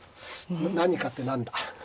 何かって何だ？